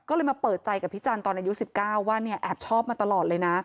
ก็เลยมาเปิดใจกับพี่จันทร์ตอนอายุ๑๙ว่าเนี่ยแอบชอบมาตลอดเลยนะ